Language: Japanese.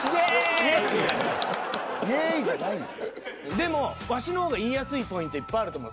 でもワシの方が言いやすいポイントいっぱいあると思う。